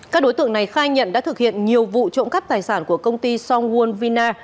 các đối tượng này khai nhận đã thực hiện nhiều vụ trộm cắt tài sản của công ty songwoon vina